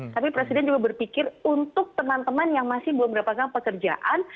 tapi presiden juga berpikir untuk teman teman yang masih belum mendapatkan pekerjaan